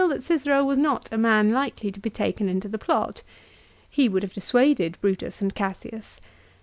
211 that Cicero was not a man likely to be taken into the plot. He would have dissuaded Brutus and Cassius.